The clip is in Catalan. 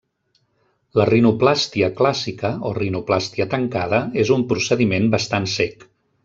La rinoplàstia clàssica, o rinoplàstia tancada, és un procediment bastant cec.